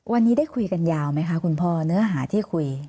วันนี้ได้คุยกันยาวไหมคะคุณพ่อเนื้อหาที่คุย